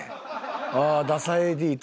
ああダサＡＤと。